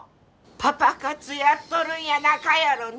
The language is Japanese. パパ活やっとるんやなかやろね？